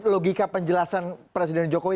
logika penjelasan presiden jokowi